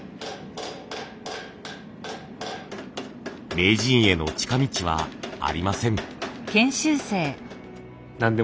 名人への近道はありません。